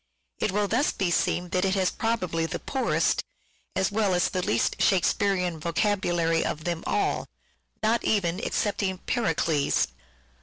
It will thus be seen that it has probably the poorest, as well as the least Shakespearean vocabulary of them all ; not even excepting " Pericles."